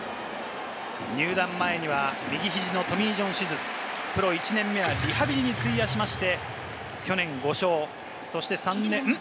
入団前には右肘のトミー・ジョン手術、プロ１年目はリハビリに費やしまして、去年５勝、そして、ん？